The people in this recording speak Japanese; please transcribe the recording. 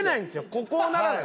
こうならない。